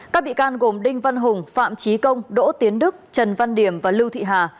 các bị can gồm đinh văn hùng phạm trí công đỗ tiến đức trần văn điểm và lưu thị hà